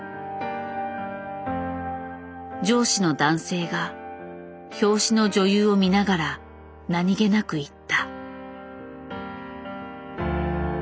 上司の男性が表紙の女優を見ながら何気なく言った。